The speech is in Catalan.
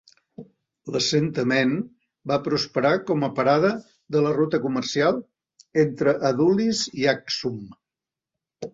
L'assentament va prosperar com a parada de la ruta comercial entre Adulis i Aksum.